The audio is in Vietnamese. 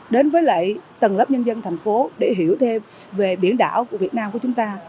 đến với lại tầng lớp nhân dân thành phố để hiểu thêm về biển đảo của việt nam của chúng ta